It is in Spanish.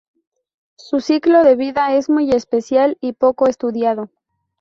Su ciclo de vida es muy especial y poco estudiado.